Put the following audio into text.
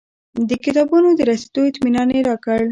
د کتابونو د رسېدو اطمنان یې راکړ.